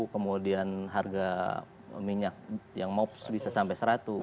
kemudian harga minyak yang mop bisa sampai seratus